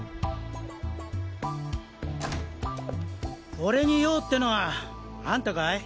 俺に用ってのはあんたかい？